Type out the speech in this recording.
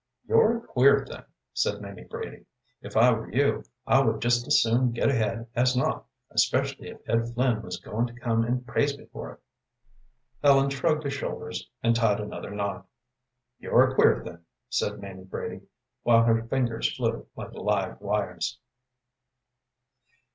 "You're a queer thing," said Mamie Brady. "If I were you, I would just as soon get ahead as not, especially if Ed Flynn was goin' to come and praise me for it." Ellen shrugged her shoulders and tied another knot. "You're a queer thing," said Mamie Brady, while her fingers flew like live wires.